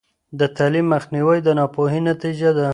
د تعلیم مخنیوی د ناپوهۍ نتیجه ده.